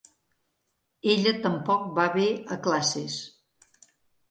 Ella tampoc va bé a classes.